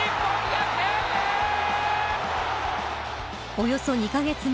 およそ２カ月前